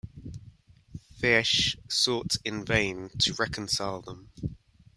Fesch sought in vain to reconcile them.